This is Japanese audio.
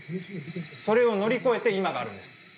それを乗り越えて今があるんです。